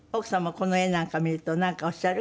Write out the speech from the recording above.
この絵なんか見るとなんかおっしゃる？